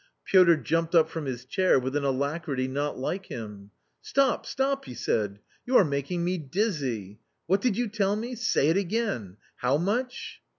Piotr jumped up from his chair with an alacrity not like him. " Stop, stop !" he said. " You are making me dizzy. What did you tell me ? Say it again. How much